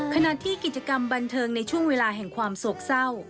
ขณะที่กิจกรรมบันเทิงในช่วงเวลาแห่งความโศกเศร้า